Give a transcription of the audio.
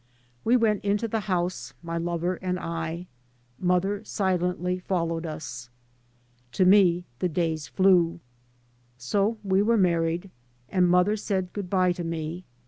We went into the house, my lover and I. Mother silently followed us. To me the days flew. So we were married. And mother said good bye to me.